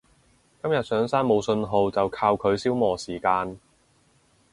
今日上山冇訊號就靠佢消磨時間